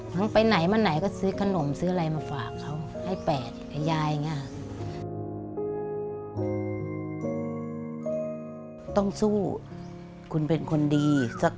ตั้งไปไหนมาไหนก็ซื้อขนมซื้ออะไร